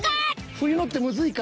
「冬の」ってむずいか。